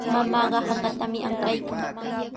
Mamaaqa hakatami ankaykan.